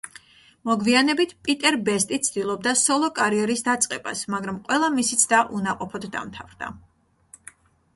მოგვიანებით პიტერ ბესტი ცდილობდა სოლო კარიერის დაწყებას, მაგრამ ყველა მისი ცდა უნაყოფოდ დამთავრდა.